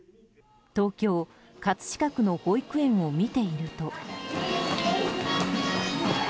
東京・葛飾区の保育園を見ていると。